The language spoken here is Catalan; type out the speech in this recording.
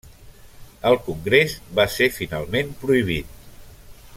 El congrés va ser finalment prohibit.